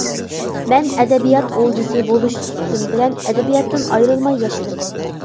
مەن ئەدەبىيات «ئولجىسى» بولۇش سۈپىتىم بىلەن ئەدەبىياتتىن ئايرىلماي ياشىدىم.